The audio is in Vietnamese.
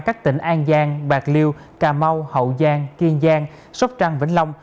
các tỉnh an giang bạc liêu cà mau hậu giang kiên giang sóc trăng vĩnh long